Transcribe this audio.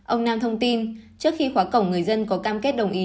ông nam thông tin trước khi khóa cổng người dân có cam kết đồng ý